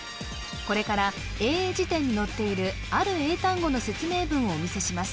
これから英英辞典に載っているある英単語の説明文をお見せします